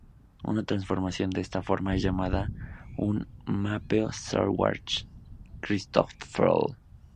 Una transformación de esta forma es llamada un "Mapeo Schwarz–Christoffel".